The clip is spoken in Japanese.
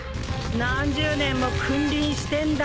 何十年も君臨してんだ